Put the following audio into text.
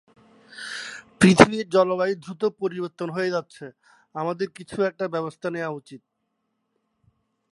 শীতকালে Mongolia, Russia, Tibet ও Kazakhstan থেকে হিমালয় পাড়ি দিয়ে দক্ষিণে অপেক্ষাকৃত উষ্ণ অঞ্চলে পরিযায়ী হয়ে আসে।